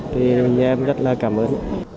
thì nhà em rất là cảm ơn